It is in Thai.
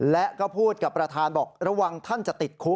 และก็พูดกับประธานบอกระวังท่านจะติดคุก